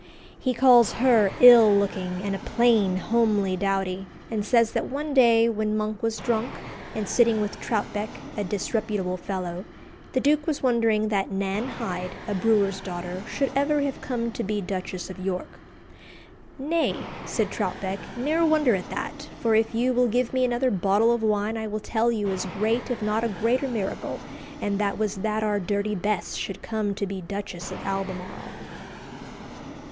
He calls her "ill looking" and "a plain, homely dowdy," and says that one day, when Monk was drunk, and sitting with Troutbeck, a disreputable fellow, the duke was wondering that Nan Hyde, a brewer's daughter, should ever have come to be Duchess of York. "Nay," said Troutbeck, "ne'er wonder at that, for if you will give me another bottle of wine I will tell you as great if not a greater miracle, and that was that our Dirty Bess should come to be Duchess of Albemarle."